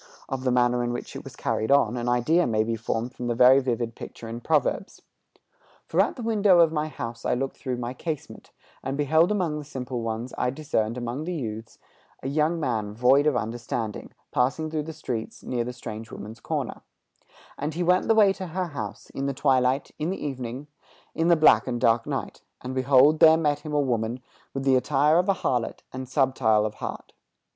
Of the manner in which it was carried on, an idea may be formed from the very vivid picture in Proverbs: "For at the window of my house, I looked through my casement, And beheld among the simple ones, I discerned among the youths, A young man void of understanding, Passing through the streets near her (the strange woman's) corner; And he went the way to her house, In the twilight, in the evening, In the black and dark night; And, behold, there met him a woman With the attire of a harlot, and subtile of heart.